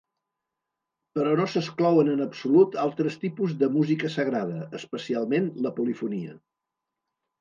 Però no s'exclouen en absolut altres tipus de música sagrada, especialment la polifonia...